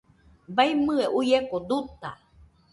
Baiñɨe uieko duta